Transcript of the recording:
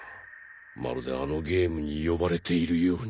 まるであのゲームに呼ばれているように。